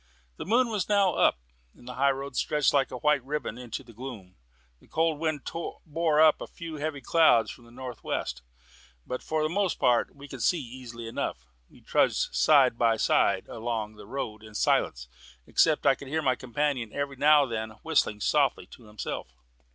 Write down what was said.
The moon was now up, and the high road stretched like a white ribbon into the gloom. The cold wind bore up a few heavy clouds from the north west, but for the most part we could see easily enough. We trudged side by side along the road in silence, except that I could hear my companion every now and then whistling softly to himself.